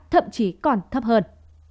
thậm chí còn thấp hơn